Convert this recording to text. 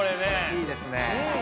いいですねえ。